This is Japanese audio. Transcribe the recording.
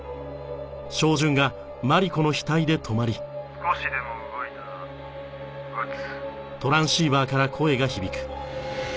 「少しでも動いたら撃つ」